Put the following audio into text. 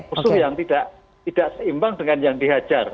musuh yang tidak seimbang dengan yang dihajar